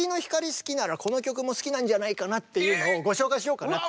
好きならこの曲も好きなんじゃないかなっていうのをご紹介しようかなって。